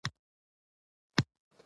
ژبه باید له تحریف څخه وساتل سي.